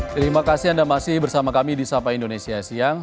terima kasih anda masih bersama kami di sapa indonesia siang